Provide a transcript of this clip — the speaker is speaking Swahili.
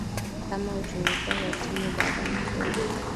alama hutunukiwa kwa timu baada ya mchezo